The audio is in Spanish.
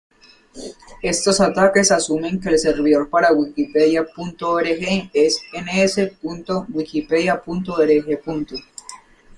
Estos ataques asumen que el servidor para wikipedia.org es ns.wikipedia.org.